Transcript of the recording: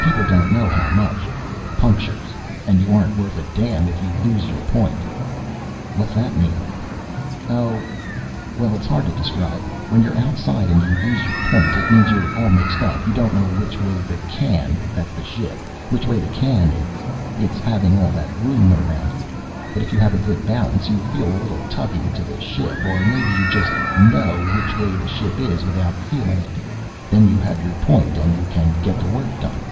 People don't know how much. Punctures. And you aren't worth a damn if you lose your point." "What's that mean?" "Oh. Well, it's hard to describe. When you're outside and you lose your point, it means you're all mixed up, you don't know which way the can that's the ship which way the can is. It's having all that room around you. But if you have a good balance, you feel a little tugging to the ship, or maybe you just know which way the ship is without feeling it. Then you have your point and you can get the work done."